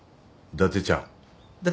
伊達ちゃん？